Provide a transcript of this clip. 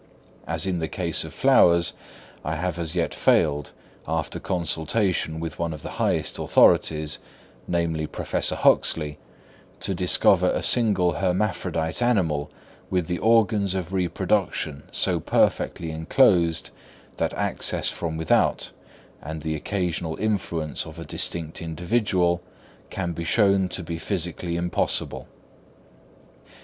As in the case of flowers, I have as yet failed, after consultation with one of the highest authorities, namely, Professor Huxley, to discover a single hermaphrodite animal with the organs of reproduction so perfectly enclosed that access from without, and the occasional influence of a distinct individual, can be shown to be physically impossible.